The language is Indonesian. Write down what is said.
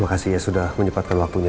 makasih ya sudah menyebatkan waktunya